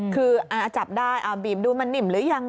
คือจับได้บีบดูมันนิ่มหรือยัง